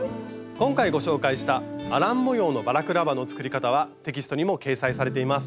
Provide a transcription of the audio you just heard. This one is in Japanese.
今回ご紹介したアラン模様のバラクラバの作り方はテキストにも掲載されています。